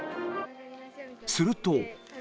すると。